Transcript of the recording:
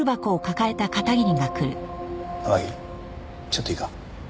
ちょっといいか？